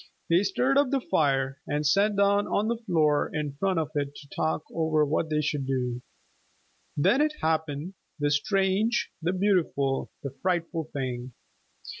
They stirred up the fire, and sat down on the floor in front of it to talk over what they should do. Then it happened, the strange, the beautiful, the frightful thing!